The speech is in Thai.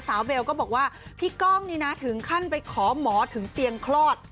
เบลก็บอกว่าพี่ก้องนี่นะถึงขั้นไปขอหมอถึงเตียงคลอด